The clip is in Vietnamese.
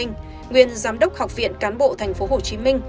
nguyên giám đốc học viện cán bộ tp hcm